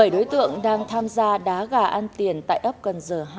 bảy đối tượng đang tham gia đá gà ăn tiền tại ấp cần giờ hai